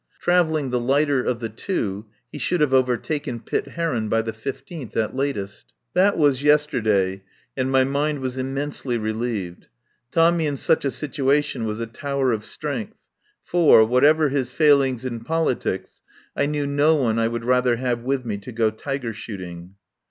Trav elling the lighter of the two, he should have overtaken Pitt Heron by the 15th at latest. That was yesterday, and my mind was im mensely relieved. Tommy in such a situation was a tower of strength, for, whatever his fail ings in politics, I knew no one I would rather have with me to go tiger shooting.